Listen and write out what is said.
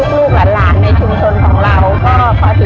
ลูกหลานในชุมชนของเรา